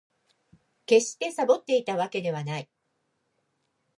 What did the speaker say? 決してサボっていたわけではない